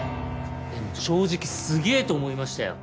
でも正直すげえと思いましたよ